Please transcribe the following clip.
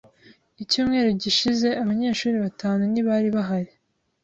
Icyumweru gishize abanyeshuri batanu ntibari bahari.